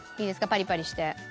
パリパリして。